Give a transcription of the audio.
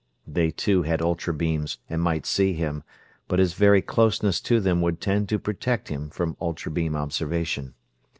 They, too, had ultra beams and might see him, but his very closeness to them would tend to protect him from ultra beam observation.